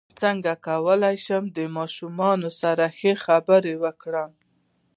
څنګه کولی شم د ماشومانو سره ښه خبرې وکړم